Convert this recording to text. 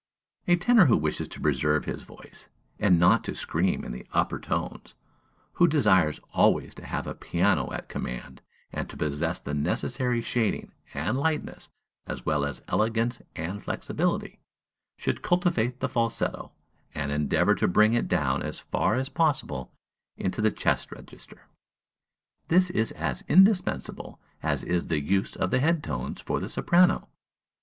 A tenor who wishes to preserve his voice and not to scream in the upper tones, who desires always to have a piano at command and to possess the necessary shading and lightness as well as elegance and flexibility, should cultivate the falsetto, and endeavor to bring it down as far as possible into the chest register. This is as indispensable as is the use of the head tones for the soprano.